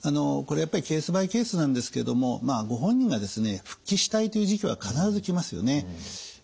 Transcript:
これやっぱりケースバイケースなんですけどもご本人がですね復帰したいという時期は必ず来ますよね。